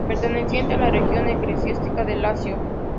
Perteneciente a la región eclesiástica de Lacio.